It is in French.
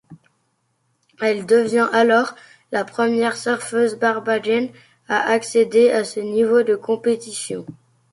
Elle devient alors la première surfeuse barbadienne à accéder à ce niveau de compétition.